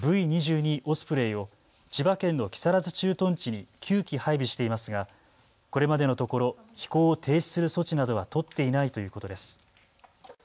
オスプレイを千葉県の木更津駐屯地に９機配備していますが、これまでのところ飛行を停止する措置などは取っていないということです。